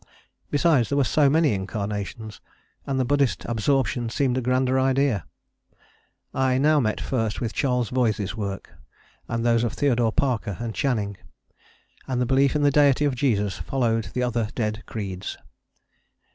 Besides, there were so many incarnations, and the Buddhist absorption seemed a grander idea. I now first met with Charles Voysey's works, and those of Theodore Parker and Channing, and the belief in the Deity of Jesus followed the other dead creeds.